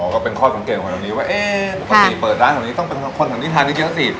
ก็เป็นข้อสังเกตของตรงนี้ว่าเอ๊ะปกติเปิดร้านแถวนี้ต้องเป็นคนแถวนี้ทานเยอะสิ